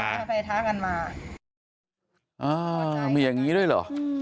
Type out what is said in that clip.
อ่ะมีอย่างนี้ด้วยหรอ